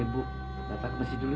baik ibu saya takut masih dulu ya